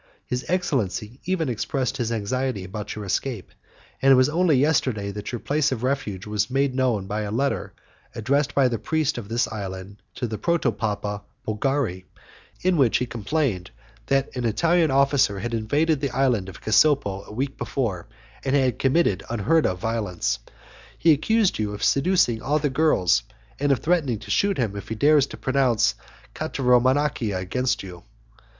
His excellency even expressed his anxiety about your escape, and it was only yesterday that your place of refuge was made known by a letter addressed by the priest of this island to the Proto Papa Bulgari, in which he complained that an Italian officer had invaded the island of Casopo a week before, and had committed unheard of violence. He accused you of seducing all the girls, and of threatening to shoot him if he dared to pronounce 'cataramonachia' against you.